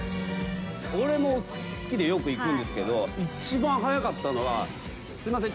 俺も好きでよく行くんですけど一番早かったのはすいません